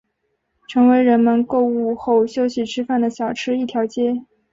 成为人们购物后休息吃饭的小吃一条街。